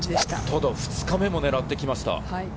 ただ２日目も狙ってきました。